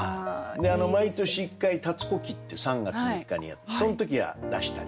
毎年１回立子忌って３月３日にやってその時は出したりして。